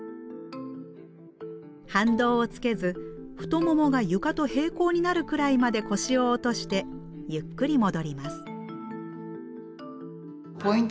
反動をつけず太ももが床と並行になるくらいまで腰を落としてゆっくり戻ります。